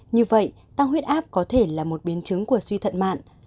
như vậy tăng huyết áp có thể là một biến chứng của suy thận mạng